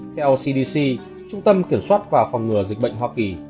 theo cdc trung tâm kiểm soát và phòng ngừa dịch bệnh hoa kỳ